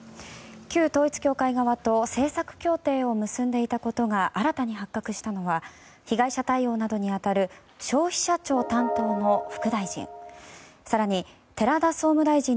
旧統一教会側と政策協定を結んでいたことが新たに発覚したのは被害者対応などに当たる消費者庁担当の副大臣。